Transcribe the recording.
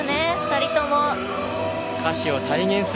２人とも。